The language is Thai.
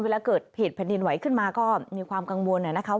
เวลาเกิดผิดพันธินไหวขึ้นมาก็มีความกังวลนะครับ